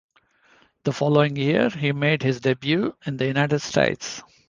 The following year he made his debut in the United States.